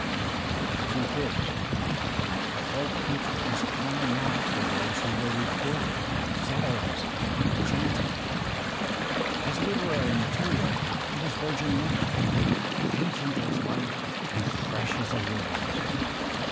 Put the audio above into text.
JThe truth is, the whole country is crying out for ^ose who .^,/ I will record it, satirize it, chant it. As litera^; gJ3)a,t.ftr'>^ '^*:'— Us virgin land, ancient as life and fresh as a^, . wilderness. ?\^'—^■■.